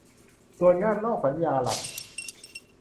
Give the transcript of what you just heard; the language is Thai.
ส่วนงานนอกสัญญาหลัก